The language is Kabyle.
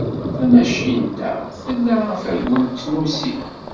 Tamacint-a tla afagu n tnusi?